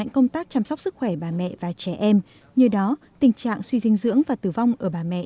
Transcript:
công tác chăm sóc sức khỏe bà mẹ và trẻ em nhờ đó tình trạng suy dinh dưỡng và tử vong ở bà mẹ